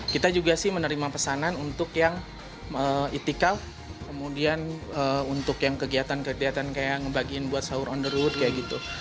kita juga sih menerima pesanan untuk yang itikaf kemudian untuk yang kegiatan kegiatan kayak ngebagiin buat sahur on the road kayak gitu